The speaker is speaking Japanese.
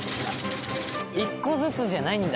１個ずつじゃないんだ。